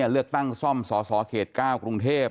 เลือกตั้งซ่อมสสเขต๙กรุงเทพ